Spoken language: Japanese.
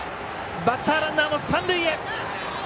バッターランナーも三塁へ。